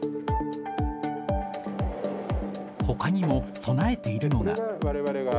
ほかにも備えているのが。